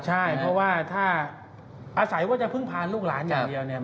ใช่เพราะว่าถ้าอาศัยว่าจะพึ่งพาลูกหลานอย่างเดียวเนี่ย